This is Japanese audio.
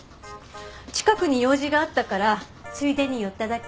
近くに用事があったからついでに寄っただけ。